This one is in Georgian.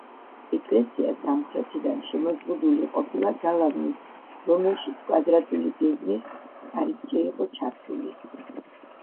ეკლესია სამხრეთიდან შემოზღუდული ყოფილა გალავნით, რომელშიც კვადრატული გეგმის კარიბჭე იყო ჩართული.